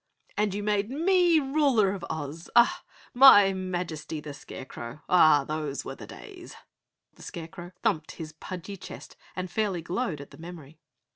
"And you made me Ruler of OZ! Ah! My Majesty the Scarecrow, Hah those were the days!" The Scarecrow thumped his pudgy chest and fairly glowed, at the memory.